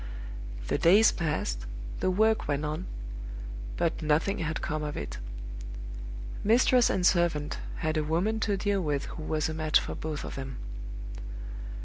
The days passed, the work went on; but nothing had come of it. Mistress and servant had a woman to deal with who was a match for both of them.